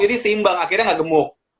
seimbang akhirnya nggak gemuk